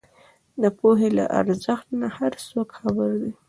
د پوهې له ارزښت نۀ هر څوک خبر دی